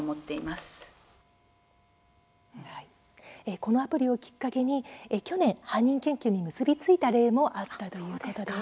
このアプリをきっかけに去年、犯人検挙に結び付いた例もあったということです。